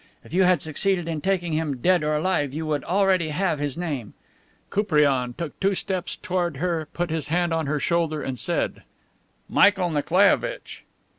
If you had succeeded in taking him, dead or alive, you would already have his name." Koupriane took two steps toward her, put his hand on her shoulder and said: "Michael Nikolaievitch."